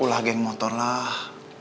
ulah geng motor lah